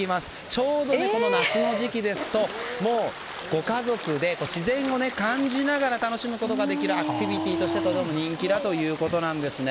ちょうど夏の時期ですとご家族で自然を感じながら楽しむことができるアクティビティーとしてとても人気だということなんですね。